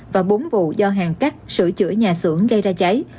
và bốn vụ do hàng cắt sửa chữa nhà xưởng gây ra cháy